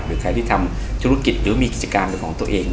หรือใครที่ทำธุรกิจหรือมีการกิจการตัวเอง